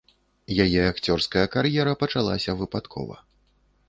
Яе акцёрская кар'ера пачалася выпадкова.